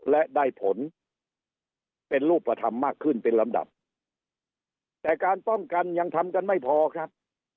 และได้ผลเป็นรูปธรรมมากขึ้นเป็นลำดับแต่การป้องกันยังทำกันไม่พอครับ